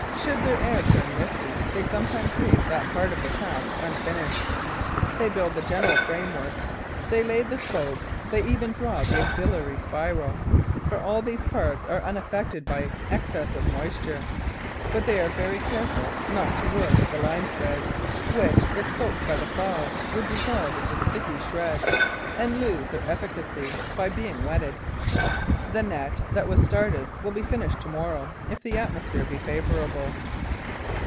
Should the air turn misty, they sometimes leave that part of the task unfinished: they build the general framework, they lay the spokes, they even draw the auxiliary spiral, for all these parts are unaffected by excess of moisture; but they are very careful not to work at the lime threads, which, if soaked by the fog, would dissolve into sticky shreds and lose their efficacy by being wetted. The net that was started will be finished to morrow, if the atmosphere be favourable.